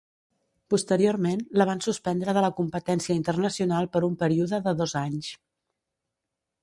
Posteriorment la van suspendre de la competència internacional per un període de dos anys.